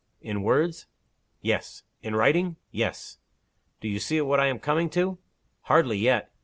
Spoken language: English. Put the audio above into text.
"In words?" "Yes." "In writing?" "Yes." "Do you see what I am coming to?" "Hardly yet."